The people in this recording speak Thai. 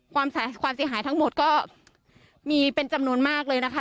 ความเสียหายทั้งหมดก็มีเป็นจำนวนมากเลยนะคะ